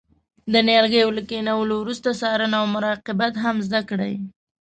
د نیالګیو له کینولو وروسته څارنه او مراقبت هم زده کړئ.